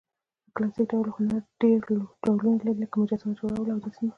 په کلاسیک ډول هنرډېر ډولونه لري؛ لکه: مجسمه، جوړول او داسي...